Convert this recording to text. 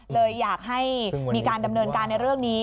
เลยอยากให้มีการดำเนินการในเรื่องนี้